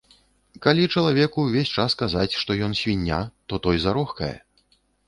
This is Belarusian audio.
Калі чалавеку ўвесь час казаць, што ён свіння, то той зарохкае.